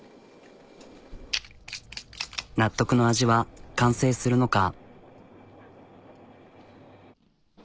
納得の味は完成するのか？